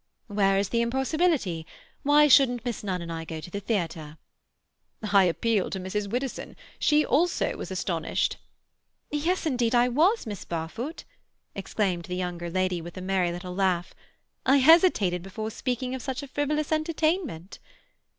"Where is the impossibility? Why shouldn't Miss Nunn and I go to the theatre?" "I appeal to Mrs. Widdowson. She also was astonished." "Yes, indeed I was, Miss Barfoot!" exclaimed the younger lady, with a merry little laugh. "I hesitated before speaking of such a frivolous entertainment."